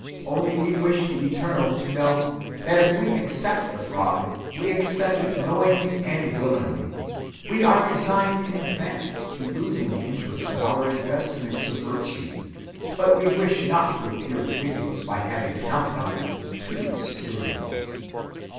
Only we wish the Eternal to know that if we accept the fraud, we accept it knowingly and willingly. We are resigned in advance to losing the interest on our investments of virtue, but we wish not to appear ridiculous by having counted on them too securely."